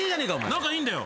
仲いいんだよ。